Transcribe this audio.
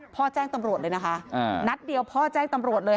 แจ้งตำรวจเลยนะคะนัดเดียวพ่อแจ้งตำรวจเลย